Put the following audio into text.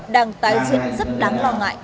đang tái diện rất đáng lo ngại